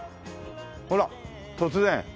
ほら突然。